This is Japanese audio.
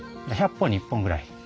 １００本に１本ぐらい。